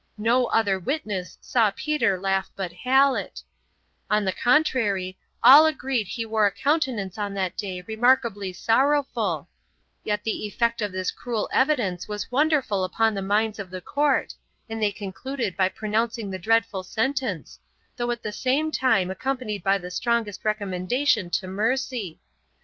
No other witness saw Peter laugh but Hallet; on the contrary, all agreed he wore a countenance on that day remarkably sorrowful; yet the effect of this cruel evidence was wonderful upon the minds of the Court, and they concluded by pronouncing the dreadful sentence, though at the same time accompanied by the strongest recommendation to mercy.